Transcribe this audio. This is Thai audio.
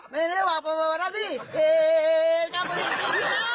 ในระหว่างปฏิบัติหน้าที่๑๙นาฬิกาถึง๒๐นาฬิกา